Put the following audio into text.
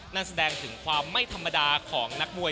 นั่นแสดงถึงความไม่ธรรมดาของนักมวย